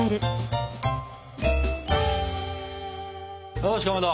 よしかまど。